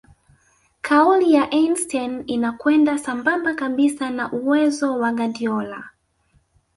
kauli ya Einstein inakwenda sambamba kabisa na uwezo wa Guardiola